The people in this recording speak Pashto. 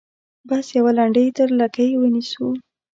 بس یوه لنډۍ تر لکۍ ونیسو.